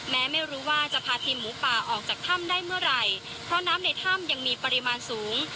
แม้ไม่รู้ว่าจะพาทีมหมูป่าออกจากถ้ำได้เมื่อไหร่เพราะน้ำในถ้ำยังมีปริมาณสูง